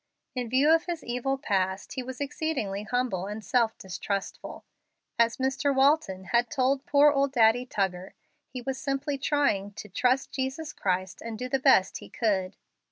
In view of his evil past he was exceedingly humble and self distrustful. As Mr. Walton had told poor old Daddy Tuggar, he was simply trying to "trust Jesus Christ and do the best he could."